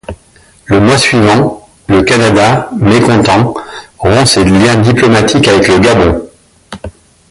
Le mois suivant, le Canada, mécontent, rompt ses liens diplomatiques avec le Gabon.